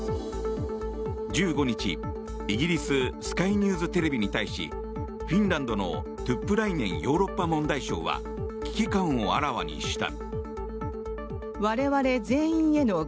１５日、イギリススカイニューズ・テレビに対しフィンランドのトゥップライネンヨーロッパ問題相は危機感をあらわにした。